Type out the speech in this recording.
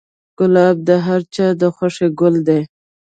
ګلاب د هر چا د خوښې ګل دی.